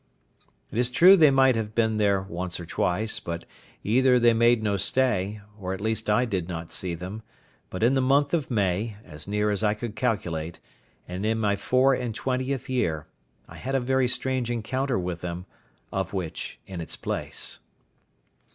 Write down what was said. It is true they might have been there once or twice; but either they made no stay, or at least I did not see them; but in the month of May, as near as I could calculate, and in my four and twentieth year, I had a very strange encounter with them; of which in its place.